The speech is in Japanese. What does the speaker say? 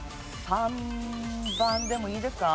３番でもいいですか？